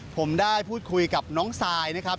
ผมได้พูดคุยกับน้องซายนะครับ